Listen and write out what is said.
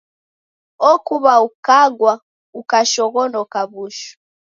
Okuw'a ukagwa ukashoghonoka w'ushu.